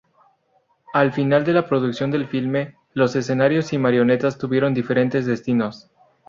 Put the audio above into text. Al final de la producción del filme, los escenarios y marionetas tuvieron diferentes destinos.